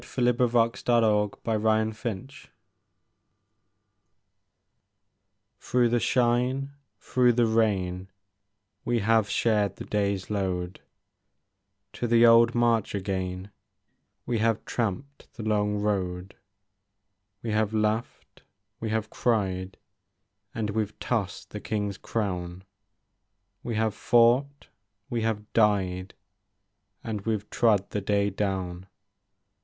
That will be the best. TWILIGHT SONG Through the shine, through the rain We have shared the day's load; To the old march again We have tramped the long road ; We have laughed, we have cried. And we 've tossed the King's crown ; We have fought, we have died. And we 've trod the day down.